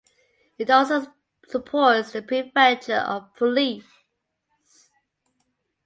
It also supports the Prefecture of Police.